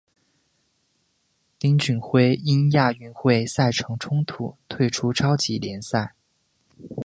丁俊晖因亚运会赛程冲突退出超级联赛。